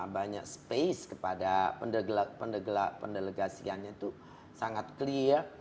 banyak space kepada pendelegasiannya itu sangat clear